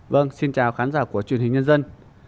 vâng xin chào khán giả của truyền hình nhân dân